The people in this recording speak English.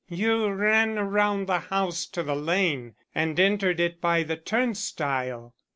"You ran around the house to the lane, and entered it by the turn stile."